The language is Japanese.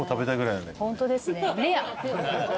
ホントですねレア。